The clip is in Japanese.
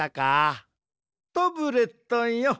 タブレットンよ。